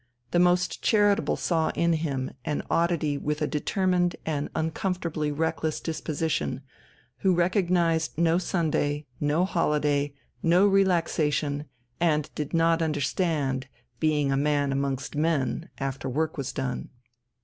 The most charitable saw in him an oddity with a determined and uncomfortably reckless disposition, who recognized no Sunday, no holiday, no relaxation, and did not understand being a man amongst men after work was done.